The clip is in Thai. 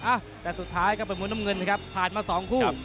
เอ๊ะสุดท้ายก็เป็นหมุนน้ำเงินครับผ่านมา๒คู่